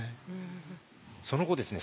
その後ですね